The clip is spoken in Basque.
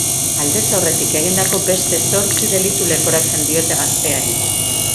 Aldez aurretik egindako beste zortzi delitu leporatzen diote gazteari.